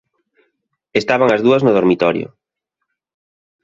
Estaban as dúas no dormitorio.